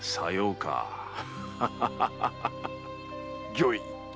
御意！